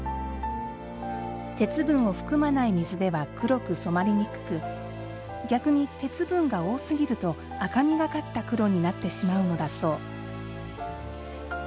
鉄分を含まない水では黒く染まりにくく逆に鉄分が多すぎると赤みがかった黒になってしまうのだそう。